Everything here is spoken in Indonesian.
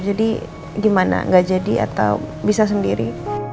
jadi gimana gak jadi atau bisa sendiri